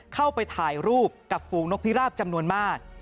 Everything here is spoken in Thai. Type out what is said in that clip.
เข้าไปถ่ายรูปกับฝูงนกพิราบจำนวนมาก